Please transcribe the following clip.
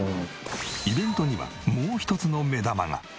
イベントにはもう一つの目玉が。